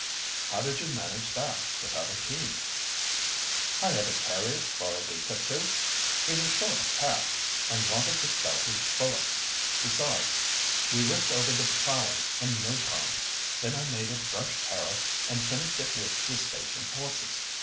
"How did you manage that without a team?" "Hired a carrier's for a week or two. He was short of cash, and wanted to spell his bullocks; besides we ripped over the ploughing in no time. Then I made a brush harrow and finished it with the station horses.